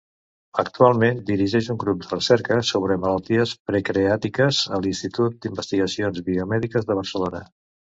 Actualment dirigeix un grup de recerca sobre malalties pancreàtiques a l'Institut d'Investigacions Biomèdiques de Barcelona.